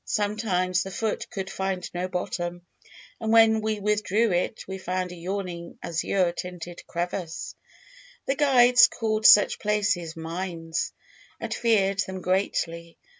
Sometimes the foot could find no bottom, and when we withdrew it we found a yawning azure tinted crevasse. The guides called such places mines, and feared them greatly.